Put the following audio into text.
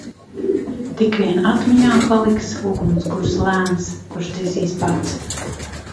Tik vien atmiņā paliks ugunskurs lēns kurš dzisīs pats.